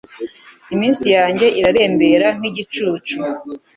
Iminsi yanjye irarembera nk’igicucu